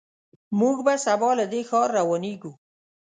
موږ به سبا له دې ښار روانېږو.